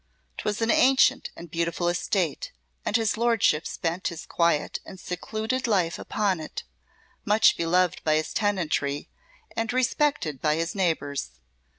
'Twas an ancient and beautiful estate, and his Lordship spent his quiet and secluded life upon it, much beloved by his tenantry, and respected by his neighbours.